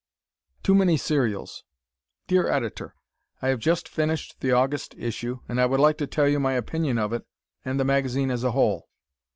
"Too Many Serials" Dear Editor: I have just finished the August issue, and I would like to tell you my opinion of it and the magazine as a whole.